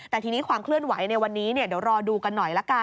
แต่ทีนี้ความเคลื่อนไหวในวันนี้เดี๋ยวรอดูกันหน่อยละกัน